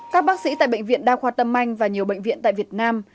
các bác sĩ tại bệnh viện đa khoa tâm anh và nhiều bệnh viện tại việt nam